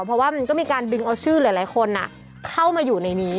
เพราะว่ามันก็มีการดึงเอาชื่อหลายคนเข้ามาอยู่ในนี้